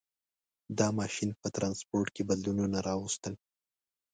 • دا ماشین په ټرانسپورټ کې بدلونونه راوستل.